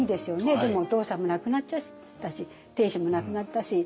でもお父さんも亡くなっちゃったし定子も亡くなったし。